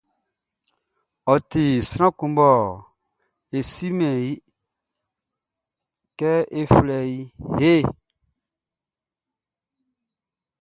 Ɔ ti sran kun mɔ e simɛn iʼn, yɛ e flɛ i kɛ hey.